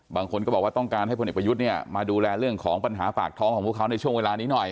บางคนก็บอกว่าต้องการให้พลเอกประยุทธ์เนี่ยมาดูแลเรื่องของปัญหาปากท้องของพวกเขาในช่วงเวลานี้หน่อย